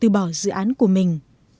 bỏ dự án của mình